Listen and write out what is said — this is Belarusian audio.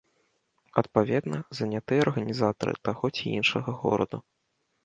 Адпаведна, занятыя арганізатары таго ці іншага гораду.